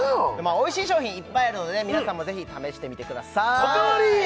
おいしい商品いっぱいあるので皆さんもぜひ試してみてくださいお代わり！